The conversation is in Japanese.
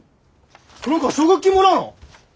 黒川奨学金もらうの？